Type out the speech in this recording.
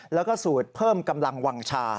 แล้วก็สูตรเพิ่มกำลังวางชา